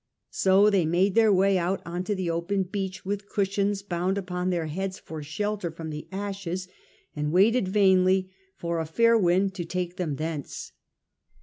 So they made their way out on to the open beach, with cushions bound upon their heads for shelter from the ashes, and waited vainly for a A.H. M i 62 The Earlier Empire, a.d. 79 8i. fair wind to take them thence.